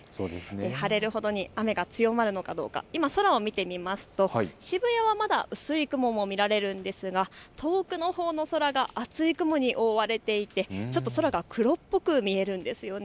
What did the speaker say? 晴れるほどに雨が強まるのかどうか、今空を見てみますと渋谷はまだ薄い雲も見られるんですが遠くのほうの空が厚い雲に覆われていてちょっと空が黒っぽく見えるんですよね。